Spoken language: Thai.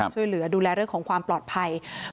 ช่วยเหลือดูแลเรื่องของความปลอดภัย